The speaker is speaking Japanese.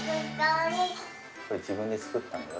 自分で作ったんだよ。